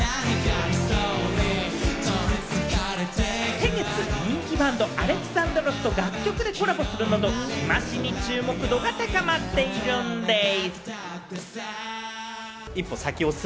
先月、人気バンド［Ａｌｅｘａｎｄｒｏｓ］と楽曲でコラボするなど、日増しに注目度が高まっているんでぃす。